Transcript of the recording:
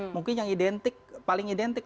mungkin yang identik paling identik